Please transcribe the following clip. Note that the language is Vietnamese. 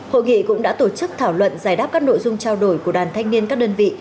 hội nghị cũng đã tổ chức thảo luận giải đáp các nội dung trao đổi của đoàn thanh niên các đơn vị